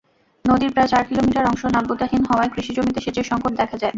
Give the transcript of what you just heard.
নদীর প্রায় চার কিলোমিটার অংশ নাব্যতাহীন হওয়ায় কৃষিজমিতে সেচের সংকট দেখা দেয়।